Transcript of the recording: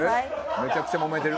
めちゃくちゃもめてる。